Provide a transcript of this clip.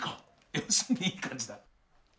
よしいい感じだ。